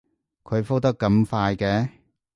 佢覆得咁快嘅